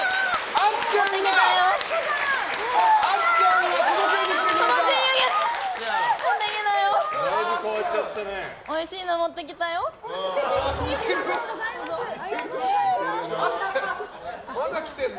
あっちゃん、まだ着てるの？